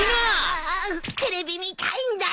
ああテレビ見たいんだよ。